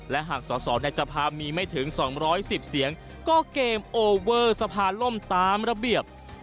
และหากสอสอในสภามีไม่ถึง๒๑๐เสียงก็เกมโอเวอร์สภาล่มตามระเบียบ